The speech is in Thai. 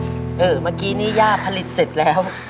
เมื่อกี้นี้ย่าผลิตเสร็จแล้ว